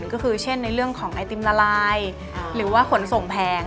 ก็คือเช่นในเรื่องของไอติมละลายหรือว่าขนส่งแพง